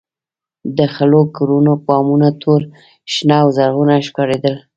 د خړو کورونو بامونه تور، شنه او زرغونه ښکارېدل.